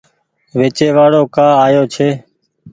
ويچي وآڙو ڪآ آيو ڇي ۔